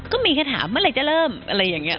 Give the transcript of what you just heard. ก็มีแค่ถามเมื่อไหร่จะเริ่มอะไรอย่างนี้